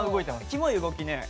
キモい動きね。